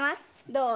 どう？